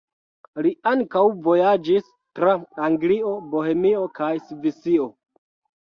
Li ankaŭ vojaĝis tra Anglio, Bohemio kaj Svisio.